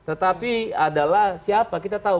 tetapi adalah siapa kita tahu